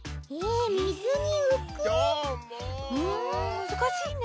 むずかしいね。